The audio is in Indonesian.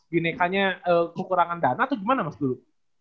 binekanya kekurangan dana atau gimana mas dulu